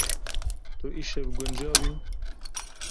Tu îşev guncav î?